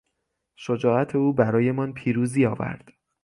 شجاعت او برایمان پیروزی آورد.